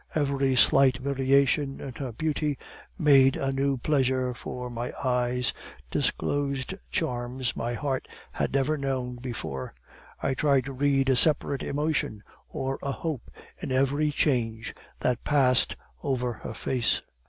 Every slight variation in her beauty made a new pleasure for my eyes, disclosed charms my heart had never known before; I tried to read a separate emotion or a hope in every change that passed over her face.